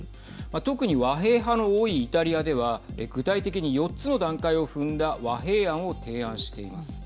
特に和平派の多いイタリアでは具体的に４つの段階を踏んだ和平案を提案しています。